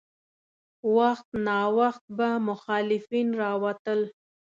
وخت ناوخت به مخالفین راوتل.